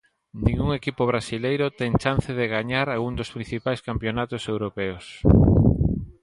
Ningún equipo brasileiro ten chance de gañar algún dos principais campionatos europeos